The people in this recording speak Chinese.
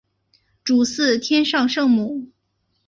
主祀天上圣母。